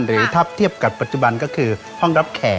หรือถ้าเทียบกับปัจจุบันก็คือห้องรับแขก